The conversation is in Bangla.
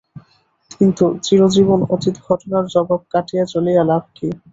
কিন্তু চিরজীবন অতীত ঘটনার জবাব কাটিয়া চলিয়া লাভ কী?